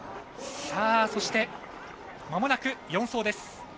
そして、まもなく４走です。